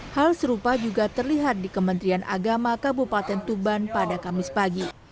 hal serupa juga terlihat di kementerian agama kabupaten tuban pada kamis pagi